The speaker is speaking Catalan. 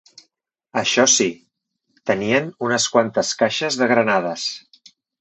Això sí, tenien unes quantes caixes de granades